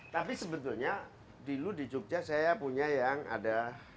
tapi sebetulnya dulu di jogja saya punya yang ada